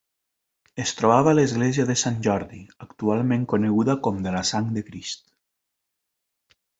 Es trobava a l'església de Sant Jordi, actualment coneguda com de la Sang de Crist.